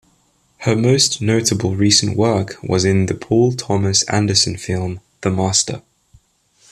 Her most notable recent work was in the Paul Thomas Anderson film "The Master".